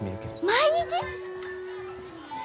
毎日！？